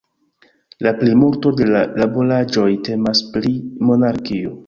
La plejmulto de la laboraĵoj temas pri monarkio.